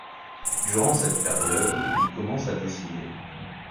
Durant cette période, il commence à dessiner.